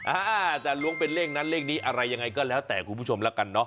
อาจจะล้วงเป็นเลขนั้นเลขนี้อะไรยังไงก็แล้วแต่คุณผู้ชมแล้วกันเนาะ